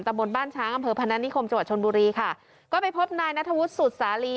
ตำบลบ้านช้างำเฟ้อพนัชนิคมจัวร์ชนบุรีค่ะก็ไปพบนายนทะวุฒิสูจสาลี